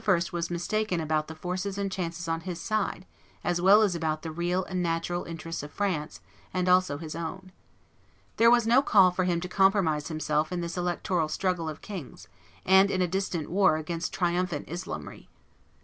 was mistaken about the forces and chances on his side, as well as about the real and natural interests of France, and also his own. There was no call for him to compromise himself in this electoral struggle of kings, and in a distant war against triumphant Islamry.